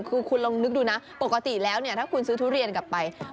คือคุณลองนึกดูนะปกติแล้วเนี่ยถ้าคุณซื้อทุเรียนกลับไป